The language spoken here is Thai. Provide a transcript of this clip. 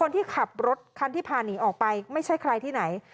ที่ขับรถคันที่พาหนีออกไปไม่ใช่ใครที่ไหน